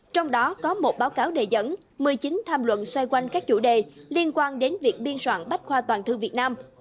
trong đó có một báo cáo đề dẫn một mươi chín tham luận xoay quanh các chủ đề liên quan đến việc biên soạn bách khoa toàn thư việt nam